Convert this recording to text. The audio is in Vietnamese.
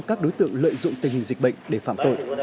các đối tượng lợi dụng tình hình dịch bệnh để phạm tội